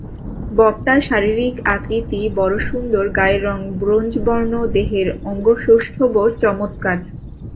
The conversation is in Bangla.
বক্তার শারীরিক আকৃতি বড় সুন্দর, গায়ের রঙ ব্রোঞ্জবর্ণ, দেহের অঙ্গসৌষ্ঠবও চমৎকার।